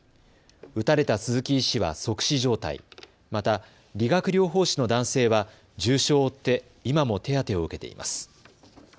撃たれた鈴木医師は即死状態、また理学療法士の男性は重傷を負って、今も手当てを受けています。